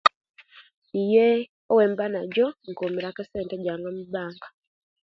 Ye owemba najo inkumiraku esente jange mubanka